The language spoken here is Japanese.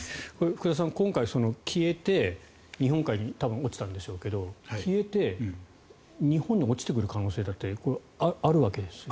福田さん、今回消えて日本海に多分落ちたんでしょうけど消えて日本に落ちてくる可能性だってこれはあるわけですよね。